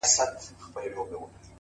o ځكه چي دا خو د تقدير فيصله ـ